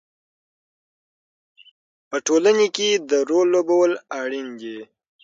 په ټولنه کې د رول لوبول اړین دي.